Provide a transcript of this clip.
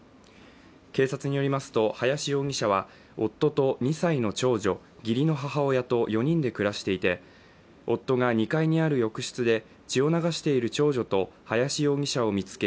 警察によりますと林容疑者は夫と２歳の長女義理の母親と４人で暮らしていて夫が２階にある浴室で血を流している長女と林容疑者を見つけ